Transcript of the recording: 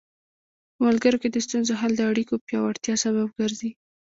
په ملګرو کې د ستونزو حل د اړیکو پیاوړتیا سبب ګرځي.